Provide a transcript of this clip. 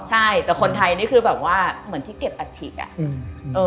ใช่แต่คนไทยนี่คือแบบว่าเหมือนที่เก็บอัฐิอ่ะ